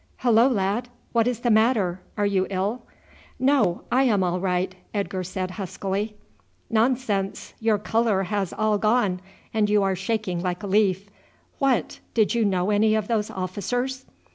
"Hullo, lad, what is the matter? Are you ill?" "No, I am all right," Edgar said huskily. "Nonsense! Your colour has all gone, and you are shaking like a leaf. What! did you know any of those officers?"